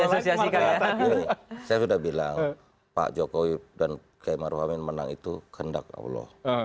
saya sudah bilang pak jokowi dan km arwahamin menang itu kendak allah